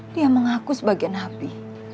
dia mengaku sebagai nabi